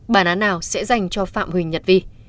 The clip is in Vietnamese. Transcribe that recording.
bản án nào sẽ dành cho phạm huỳnh nhật vi